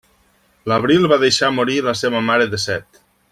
L'abril va deixar morir la seva mare de set.